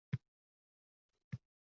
Qaydadir ko’rganman… qandaydir tanish.